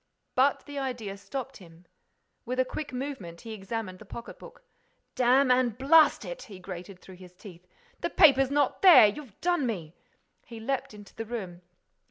But the idea stopped him. With a quick movement, he examined the pocket book: "Damn and blast it!" He grated through his teeth. "The paper's not there.—You've done me—" He leaped into the room.